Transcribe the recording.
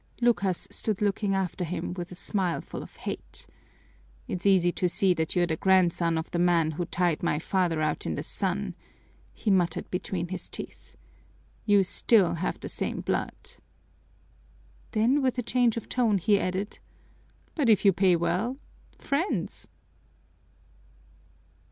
Lucas stood looking after him with a smile full of hate. "It's easy to see that you're the grandson of the man who tied my father out in the sun," he muttered between his teeth. "You still have the same blood." Then with a change of tone he added, "But, if you pay well friends!"